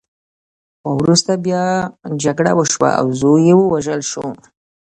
خو وروسته بیا جګړه وشوه او زوی یې ووژل شو.